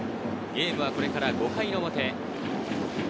ゲームはこれから５回の表。